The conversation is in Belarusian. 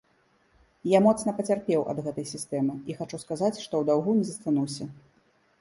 Я моцна пацярпеў ад гэтай сістэмы, і хачу сказаць, што ў даўгу не застануся.